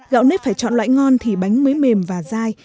gạo nếp phải chọn loại ngon thì bánh mới mềm và dai